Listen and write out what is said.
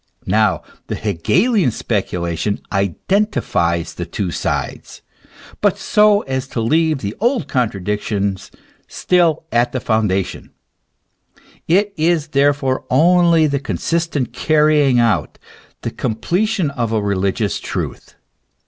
Now the Hegelian specula tion identifies the two sides, but so as to leave the old contra diction still at the foundation ; it is therefore only the con sistent carrying out, the completion of a religious truth.